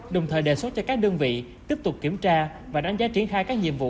đồng thời đề xuất cho các đơn vị tiếp tục kiểm tra và đánh giá triển khai các nhiệm vụ